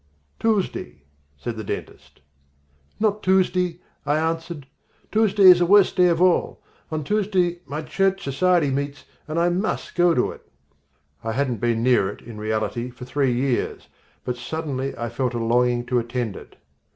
"Tuesday?" said the dentist. "Not Tuesday," I answered. "Tuesday is the worst day of all. On Tuesday my church society meets, and I must go to it." I hadn't been near it, in reality, for three years, but suddenly I felt a longing to attend it.